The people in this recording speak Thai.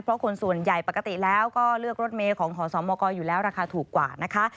เพราะคนส่วนใหญ่ปกติแล้วก็เลือกรถเมย์ของขอสมกอยู่แล้วราคาถูกกว่านะคะ